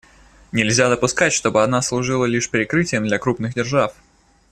Нельзя допускать, чтобы она служила лишь прикрытием для крупных держав.